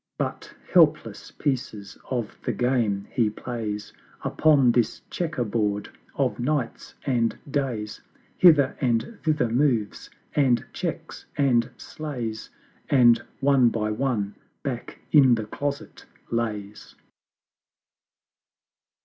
But helpless Pieces of the Game He plays Upon this Chequer board of Nights and Days; Hither and thither moves, and checks, and slays, And one by one back in the Closet lays.